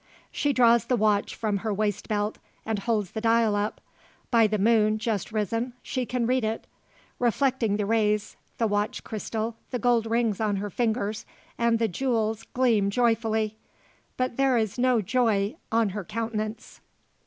She draws the watch from her waistbelt, and holds the dial up. By the moon, just risen, she can read it. Reflecting the rays, the watch crystal, the gold rings on her fingers, and the jewels gleam joyfully. But there is no joy on her countenance.